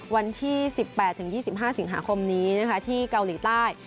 วันที่๑๘๒๕สิงหาคมนี้ที่เกาหลีใต้